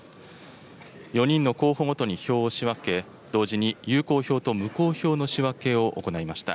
４人の候補ごとに票を仕分け、同時に有効票と無効票の仕分けを行いました。